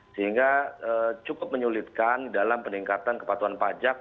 sehingga cukup menyulitkan dalam peningkatan kepatuhan pajak